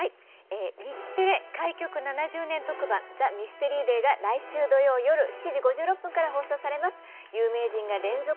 日テレ開局７０年特番、ザ・ミステリーデイが、来週土曜夜７時５６分から放送されます。